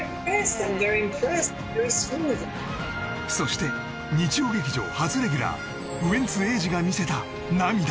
そして日曜劇場初レギュラーウエンツ瑛士が見せた涙